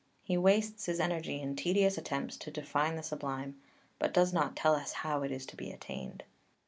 He wastes his energy in tedious attempts to define the Sublime, but does not tell us how it is to be attained (I.